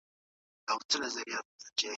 د ازموینې پایلې ښيي چې ښه خوب او تمرکز زیات شوی.